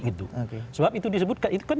itu sebab itu disebutkan itu kan